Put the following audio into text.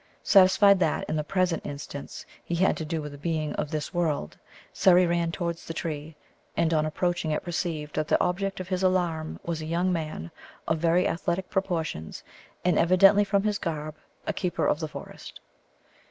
Satisfied that, in the present instance, he had to do with a being of this world, Surrey ran towards the tree, and on approaching it perceived that the object of his alarm was a young man of very athletic proportions, and evidently, from his garb, a keeper of the forest.